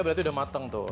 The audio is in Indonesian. berarti udah matang tuh